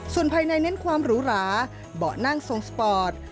ส่วนภายในเน้นความหรูหราเบาะนั่งทรงสปอร์ต